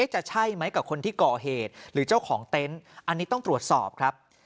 จะใช่ไหมกับคนที่ก่อเหตุหรือเจ้าของเต็นต์อันนี้ต้องตรวจสอบครับ